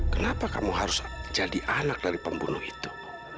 kenapa kamu harus jadi anak dari pembunuh itu